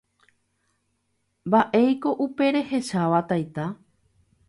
Mba'éiko upe rehecháva taita